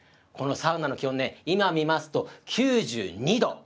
このサウナの気温ね、今見ますと９２度。